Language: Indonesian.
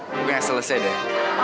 gue yang selesai deh